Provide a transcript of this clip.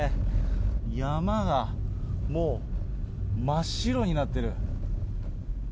山がもう、真っ白になってる。